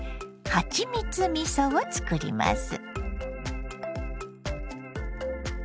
はちみつみそを塗ります。